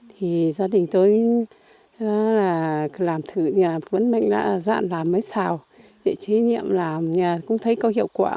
thì gia đình tôi làm thử mình đã dạng làm mấy xào để trí niệm làm cũng thấy có hiệu quả